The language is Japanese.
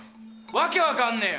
訳分かんねえよ！